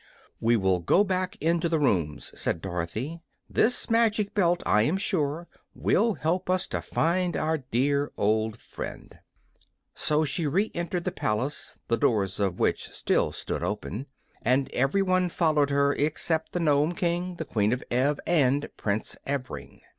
"We will go back into the rooms," said Dorothy. "This magic belt, I am sure, will help us to find our dear old friend." So she re entered the palace, the doors of which still stood open, and everyone followed her except the Nome King, the Queen of Ev and Prince Evring.